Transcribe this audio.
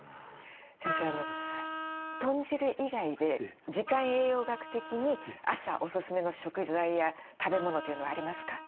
先生豚汁以外で時間栄養学的に朝オススメの食材や食べ物というのはありますか？